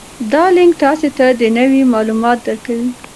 دا لینک تاسي ته نوي معلومات درکوي.